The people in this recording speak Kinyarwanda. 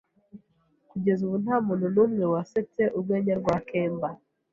Kugeza ubu, nta muntu numwe wasetse urwenya rwa kemba.